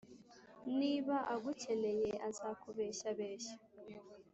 Niba agukeneye azakubeshyabeshya,